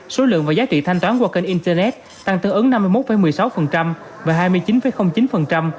số lượng và giá trị thanh toán qua kênh internet tăng tương ứng năm mươi một một mươi sáu và hai mươi chín chín